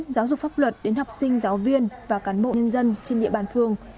giáo dục pháp luật đến học sinh giáo viên và cán bộ nhân dân trên địa bàn phường